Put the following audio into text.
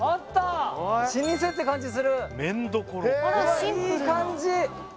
老舗って感じするわっいい感じ！